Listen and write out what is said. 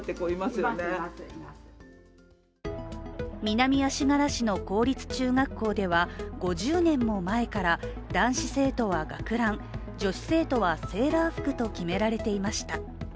南足柄市の公立中学校では５０年も前から、男子生徒は学ラン女子生徒はセーラー服と決められていました。